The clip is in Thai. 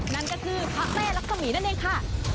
นั่นก็คือพระแม่รักษมีนั่นเองค่ะ